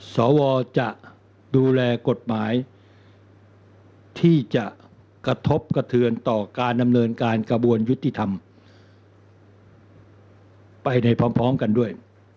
สวจะดูแลกฎหมายที่จะกระทบกระเทือนต่อการดำเนินการกระบวนยุติธรรมไปในพร้อมกันด้วย